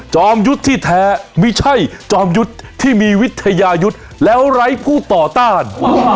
จอมยุตที่แท้มีใช่จอมยุตที่มีวิทยายุทธ์แล้วหลายผู้ต่อต้าน